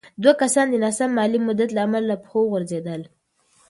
دوه کسان د ناسم مالي مدیریت له امله له پښو وغورځېدل.